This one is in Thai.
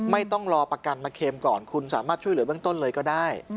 ไม่ต้องรอประกันมาเค็มก่อนคุณสามารถช่วยเหลือเบื้องต้นเลยก็ได้